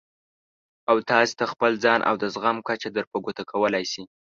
او تاسې ته خپل ځان او د زغم کچه در په ګوته کولای شي.